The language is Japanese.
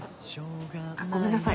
ごめんなさい